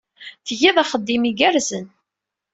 Tgiḍ axeddim ay igerrzen.